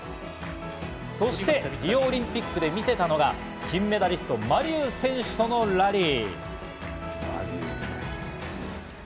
そしてリオオリンピックで見せたのが金メダリスト、マ・リュウ選手とのラリー。